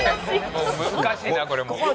難しいなこれも。